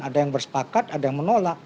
ada yang bersepakat ada yang menolak